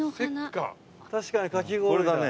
確かにかき氷だね。